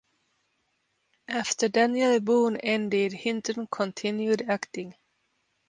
After "Daniel Boone" ended Hinton continued acting.